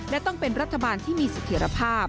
และต้องเป็นรัฐบาลที่มีเสถียรภาพ